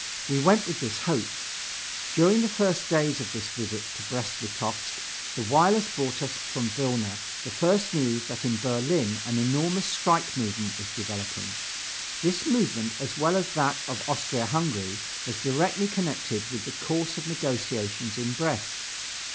We went with this hope. During the first days of this visit to Brest Litovsk the wireless brought us from Vilna the first news that in Berlin an enormous strike movement was developing; this movement as well as that of Austria Hungary was directly connected with the course of negotiations in Brest.